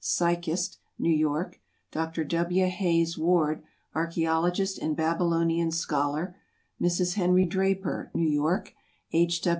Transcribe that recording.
Psychist, New York; Dr. W. Hayes Ward, Archæologist and Babylonian Scholar; Mrs. Henry Draper, New York; H.